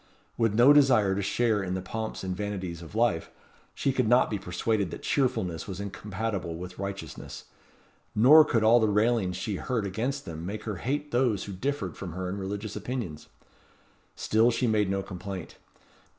With no desire to share in the pomps and vanities of life, she could not be persuaded that cheerfulness was incompatible with righteousness; nor could all the railings she heard against them make her hate those who differed from her in religious opinions. Still she made no complaint.